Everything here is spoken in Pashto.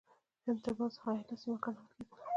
هند ترمنځ حایله سیمه ګڼله کېدله.